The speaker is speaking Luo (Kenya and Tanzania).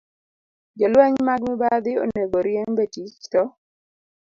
Jolweny mag mibadhi onego oriemb e tich, to